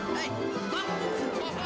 gak gak kena